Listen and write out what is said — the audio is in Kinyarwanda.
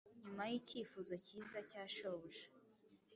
nyuma yikifuzo cyiza cya shobuja